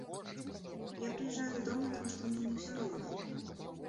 Я прыязджаю дадому, таму што мне не ўсё роўна.